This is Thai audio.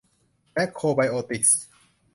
แม็คโครไบโอติกส์